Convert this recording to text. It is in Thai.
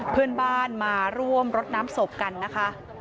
เพื่อนบ้านมาร่วมรดน้ำศพกันนะคะ